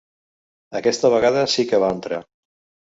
Aquesta vegada sí que va entrar.